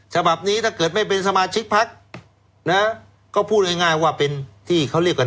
ฉบับนี้ถ้าเกิดไม่เป็นสมาชิกพักนะก็พูดง่ายว่าเป็นที่เขาเรียกกัน